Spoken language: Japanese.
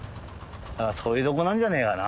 そういうとこなんじゃねえかな。